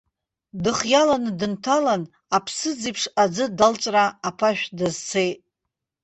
Дыхиааланы дынҭалан, аԥсыӡ еиԥш аӡы далҵәраа аԥашә дазцеит.